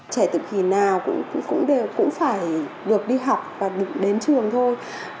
trẻ tự kỳ nào cũng phải được đi học và đến trường thôi